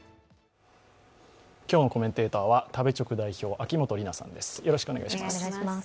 今日のコメンテーターは食べチョク代表・秋元里奈さんです。